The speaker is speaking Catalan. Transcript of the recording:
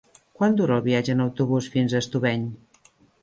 Quant dura el viatge en autobús fins a Estubeny?